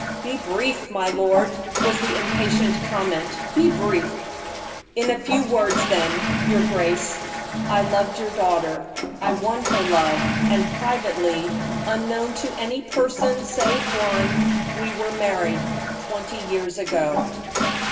"Be brief, my lord," was the impatient comment. "Be brief." "In a few words, then, your grace, I loved your daughter. I won her love, and privately, unknown to any person, save one, we were married twenty years ago."